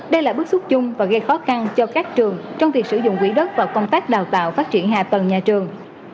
đây là bức xúc chung và gây khó khăn cho các trường trong việc sử dụng quỹ đất và công tác đào tạo phát triển hạ tầng nhà trường